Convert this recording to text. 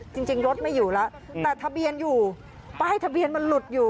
จริงรถไม่อยู่แล้วแต่ทะเบียนอยู่ป้ายทะเบียนมันหลุดอยู่